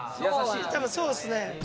多分そうですね。